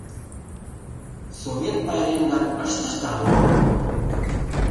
— Совет пайремдам ыштышда мо?